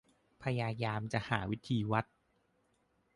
พยายามจะหาวิธีวัด